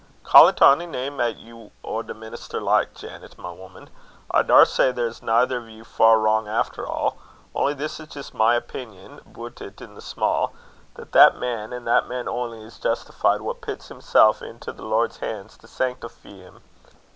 "Ca't ony name 'at you or the minister likes, Janet, my woman. I daursay there's neither o' ye far wrang after a'; only this is jist my opingan aboot it in sma' that that man, and that man only, is justifeed, wha pits himsel' into the Lord's han's to sanctifee him.